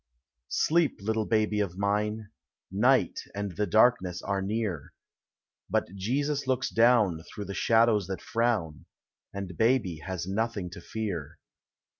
Sleep, little baby of mine, Night and the darkness are near, Uut Jesus looks down Through the shadows that frown, And baby has nothing to fear.